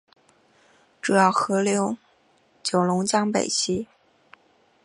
主要河流九龙江北溪。